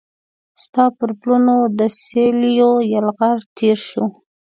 ستا پر پلونو د سیلېو یلغار تیر شو